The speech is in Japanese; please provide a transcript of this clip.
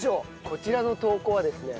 こちらの投稿はですね